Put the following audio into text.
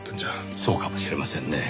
そうかもしれませんねぇ。